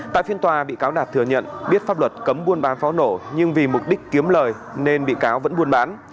tại phiên tòa bị cáo đạt thừa nhận biết pháp luật cấm buôn bán pháo nổ nhưng vì mục đích kiếm lời nên bị cáo vẫn buôn bán